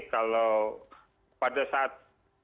kalau pada saat